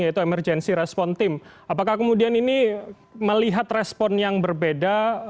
yaitu emergency response team apakah kemudian ini melihat respon yang berbeda